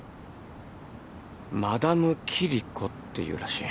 マダムキリコっていうらしい。